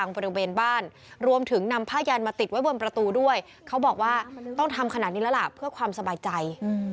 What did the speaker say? เพื่อบอกว่าต้องทำขนาดนี้แล้วล่ะเพื่อความสบายใจ